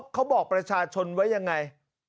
เขาบอกประชาชนไว้ยังไง